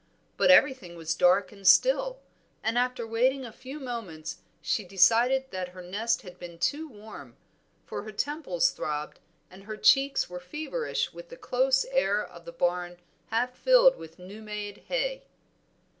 But everything was dark and still, and after waiting a few moments she decided that her nest had been too warm, for her temples throbbed and her cheeks were feverish with the close air of the barn half filled with new made hay.